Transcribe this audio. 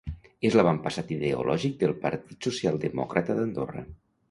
És l'avantpassat ideològic del Partit Socialdemòcrata d'Andorra.